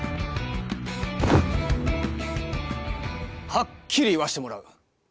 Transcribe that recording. はっきり言わせてもらう。